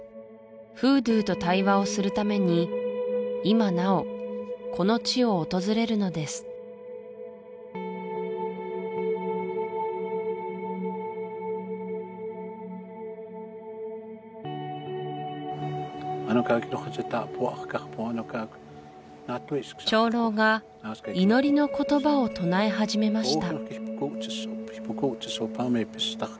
フードゥーと対話をするために今なおこの地を訪れるのです長老が祈りの言葉を唱え始めました